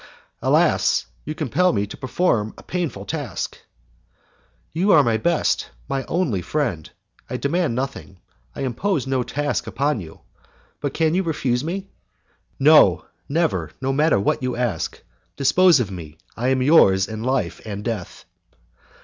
"Alas! you compel me to perform a painful task." "You are my best, my only friend; I demand nothing, I impose no task upon you, but can you refuse me?" "No, never, no matter what you ask. Dispose of me, I am yours in life and death."